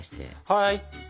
はい。